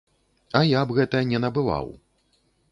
А я б гэта не набываў!